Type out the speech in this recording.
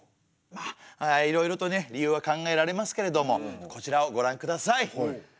まあいろいろとね理由は考えられますけれどもこちらをごらんください。